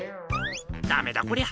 ダメだこりゃ。